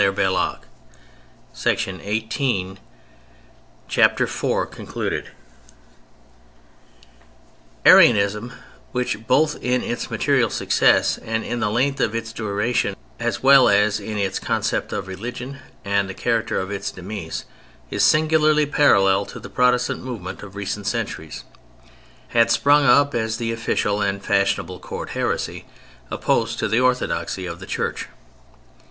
The second factor is Arianism: to which I now return. Arianism, which both in its material success and in the length of its duration, as well as in its concept of religion, and the character of its demise, is singularly parallel to the Protestant movement of recent centuries, had sprung up as the official and fashionable Court heresy opposed to the orthodoxy of the Church.